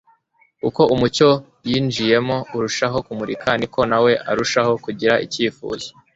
uko umucyo yinjiyemo urushaho kumurika ni ko nawe arushaho kugira icyifuzo